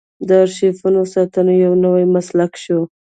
د ارشیفونو ساتنه یو نوی مسلک شو.